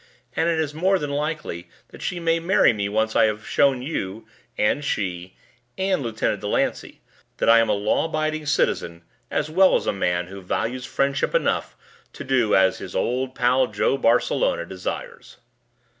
And it is more than likely that she may marry me once I have shown you, and she, and Lieutenant Delancey, that I am a law abiding citizen as well as a man who values friendship enough to do as his old pal Joe Barcelona desires."